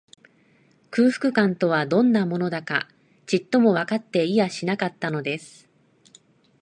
空腹感とは、どんなものだか、ちっともわかっていやしなかったのです